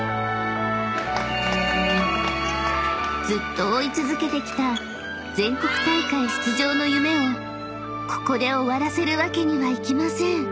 ［ずっと追い続けてきた全国大会出場の夢をここで終わらせるわけにはいきません］